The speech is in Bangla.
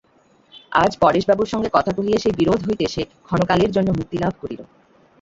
আজ পরেশবাবুর সঙ্গে কথা কহিয়া সেই বিরোধ হইতে সে ক্ষণকালের জন্য মুক্তিলাভ করিল।